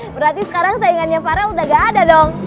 berarti sekarang saingannya farel udah gak ada dong